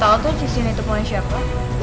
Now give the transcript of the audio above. aku gak tau tuh disini tumpangnya siapa